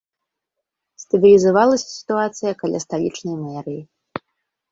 Стабілізавалася сітуацыя каля сталічнай мэрыі.